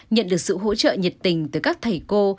nhận được sự hỗ trợ nhiệt tình từ các thầy cô